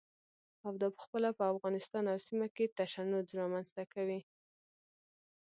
او دا پخپله په افغانستان او سیمه کې تشنج رامنځته کوي.